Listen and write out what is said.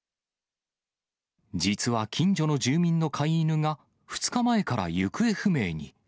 実は近所の住民の飼い犬が、２日前から行方不明に。